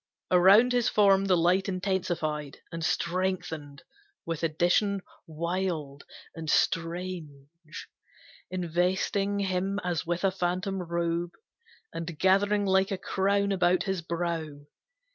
Around his form the light intensified, And strengthened with addition wild and strange, Investing him as with a phantom robe, And gathering like a crown about his brow.